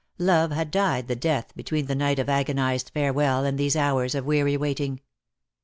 Love had died the death between the night of agonised farewell and these hours of weary waiting.